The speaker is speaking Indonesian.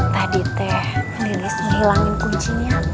tadi teh nilis menghilangin kuncinya